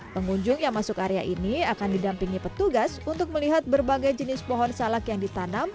pengunjung yang masuk area ini akan didampingi petugas untuk melihat berbagai jenis pohon salak yang ditanam